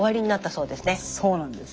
そうなんです。